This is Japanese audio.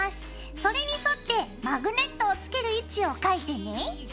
それに沿ってマグネットを付ける位置を描いてね。